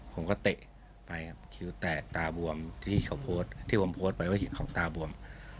ผมก็เตะไปครับคิวแตกตาบวมที่ผมโพสต์ไปว่าของตาบวม